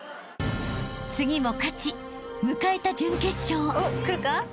［次も勝ち迎えた準決勝］